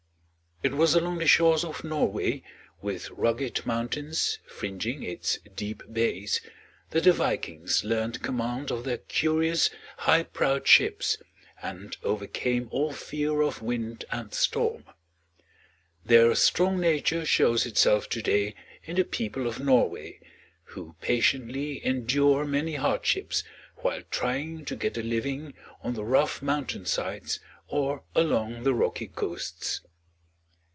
It was along the shores of Norway, with rugged mountains fringing its deep bays, that the Vikings learned command of their curious, high prowed ships, and overcame all fear of wind and storm. Their strong nature shows itself to day in the people of Norway, who patiently endure many hardships while trying to get a living on the rough mountain sides or along the rocky coasts.